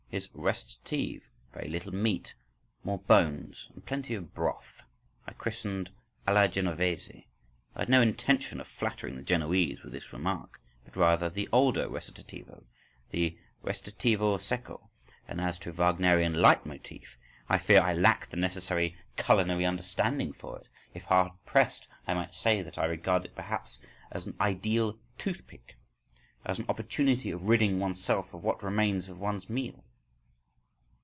His recitative—very little meat, more bones, and plenty of broth—I christened "alla genovese": I had no intention of flattering the Genoese with this remark, but rather the older recitativo, the recitativo secco. And as to Wagnerian leitmotif, I fear I lack the necessary culinary understanding for it. If hard pressed, I might say that I regard it perhaps as an ideal toothpick, as an opportunity of ridding one's self of what remains of one's meal.